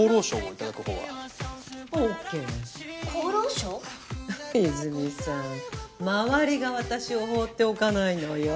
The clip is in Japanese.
いづみさん周りが私を放っておかないのよ。